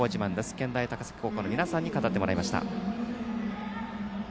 健大高崎高校の皆さんに語ってもらいました。